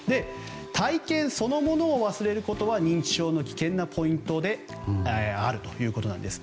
体験そのものを忘れることは認知症の危険なポイントであるということです。